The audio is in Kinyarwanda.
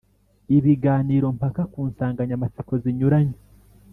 ibiganiro mpaka ku nsanganyamatsiko zinyuranye